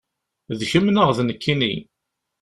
D kemm neɣ d nekkini?